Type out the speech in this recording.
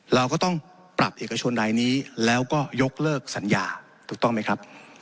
เราก็ต้องปรับเอกชนรายนี้แล้วก็ยกเลิกสัญญาถูกต้องไหมครับ